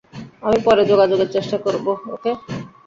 আমি পরে যোগাযোগের চেষ্টা করব, ওকে?